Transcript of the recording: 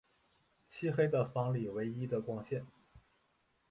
漆黑的房里唯一的光线